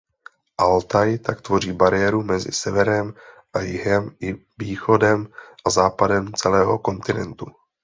Altaj tak tvoří bariéru mezi severem a jihem i východem a západem celého kontinentu.